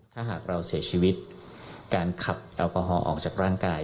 ถ้าหากเราเสียชีวิตการขับแอลกอฮอลออกจากร่างกาย